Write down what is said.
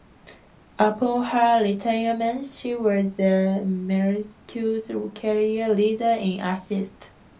Upon her retirement, she was the Mercury's career leader in assists.